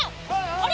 あれ？